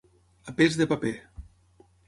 A pes de paper.